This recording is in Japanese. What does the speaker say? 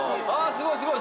すごいすごい！